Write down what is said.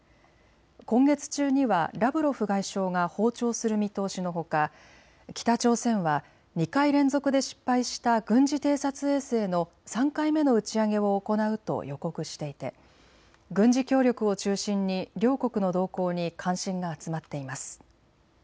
今月中にはラブロフ外相が訪朝する見通しのほか北朝鮮は２回連続で失敗した軍事偵察衛星の３回目の打ち上げを行うと予告していて軍事協力を中心に両国の動向に関心が集まっています。